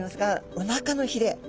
おなかのひれ。